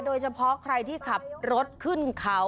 โดยเฉพาะใครที่ขับรถขึ้นเขา